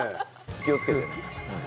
気をつけてね。